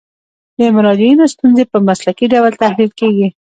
د مراجعینو ستونزې په مسلکي ډول تحلیل کیږي.